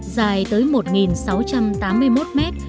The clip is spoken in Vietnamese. dài tới một nghìn sáu trăm tám mươi một m